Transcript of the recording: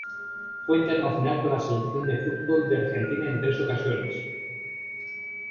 Fue internacional con la Selección de fútbol de Argentina en tres ocasiones.